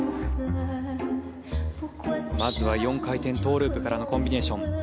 まずは４回転トウループからのコンビネーションジャンプ。